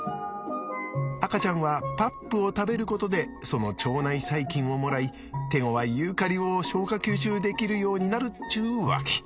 赤ちゃんはパップを食べることでその腸内細菌をもらい手ごわいユーカリを消化吸収できるようになるっちゅうわけ。